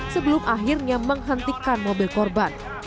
sebelum akhirnya menghentikan mobilnya